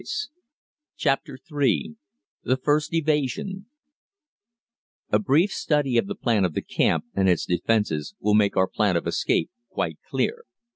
] CHAPTER III THE FIRST EVASION A brief study of the plan of the camp and its defenses will make our plan of escape quite clear.